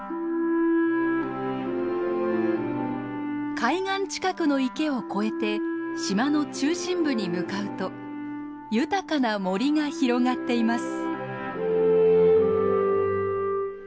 海岸近くの池を越えて島の中心部に向かうと豊かな森が広がっています。